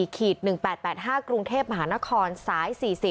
กรุงเทพฯมหานครสาย๔๐